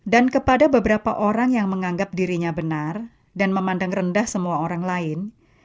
dan kepada beberapa orang yang menganggap dirinya benar dan memandang rendah semua orang lain